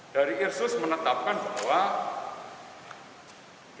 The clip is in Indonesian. dari irsus menetapkan bahwa